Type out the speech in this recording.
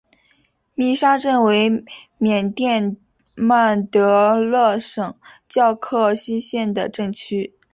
密沙镇为缅甸曼德勒省皎克西县的镇区。